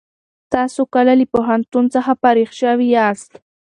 تاسو کله له پوهنتون څخه فارغ شوي یاست؟